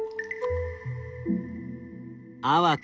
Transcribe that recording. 淡く